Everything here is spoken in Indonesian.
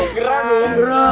gerah dong gerah